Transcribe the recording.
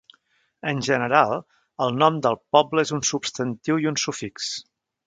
En general, el nom del poble és un substantiu i un sufix.